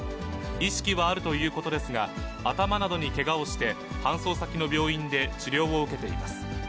意識はあるということですが、頭などにけがをして、搬送先の病院で治療を受けています。